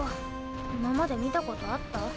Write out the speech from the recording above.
今まで見たことあった？